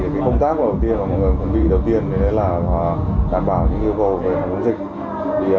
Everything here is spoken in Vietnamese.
công tác đầu tiên là đảm bảo những yêu cầu về hành động dịch